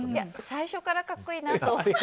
最初から格好いいなと。